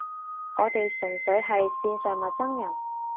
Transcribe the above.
我哋純粹係線上陌生人